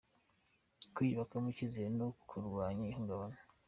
kwiyubakamo icyizere no kurwanya ihungabana.